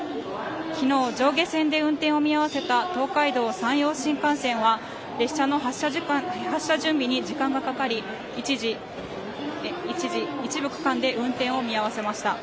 昨日、上下線で運転を見合わせた東海道山陽新幹線は列車の発車準備に時間がかかり一時一部区間で運転を見合わせました。